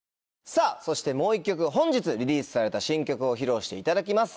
さぁそしてもう１曲本日リリースされた新曲を披露していただきます